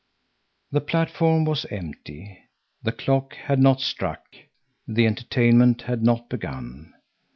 The platform was empty. The clock had not struck, the entertainment had not begun.